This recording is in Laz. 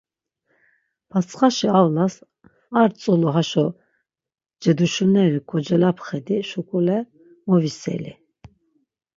Patsxaşi avlas ar tzulu haşo ceduşineri kocelapxedi şuǩule moviseli.